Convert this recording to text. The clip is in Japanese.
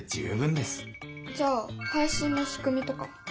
じゃあ配信のしくみとか？